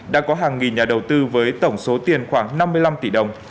đã có hàng nghìn nhà đầu tư với tổng số tiền khoảng năm triệu đồng